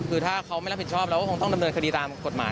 คือถ้าเขาไม่รับผิดชอบเราก็คงต้องดำเนินคดีตามกฎหมาย